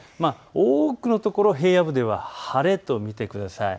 多くの所、平野部では晴れと見てください。